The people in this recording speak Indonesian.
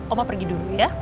oma pergi dulu ya